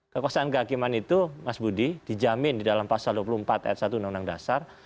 kekuasaan kehakiman itu mas budi dijamin di dalam pasal dua puluh empat ayat satu undang undang dasar